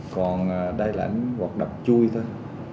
còn đây là những hoạt động chui thôi